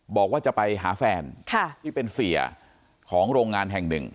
บอกว่าจะไปหาแฟนที่เป็นเสียของโรงงานแห่งหนึ่ง